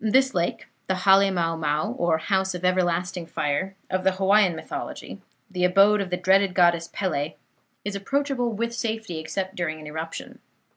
"This lake the Hale mau mau, or 'House of everlasting Fire', of the Hawaiian mythology, the abode of the dreaded goddess Pele is approachable with safety, except during an eruption.